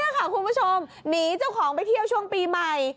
คุณผู้ชมหนีเจ้าของไปเที่ยวช่วงปีใหม่